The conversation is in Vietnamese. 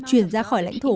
truyền ra khỏi lãnh thổ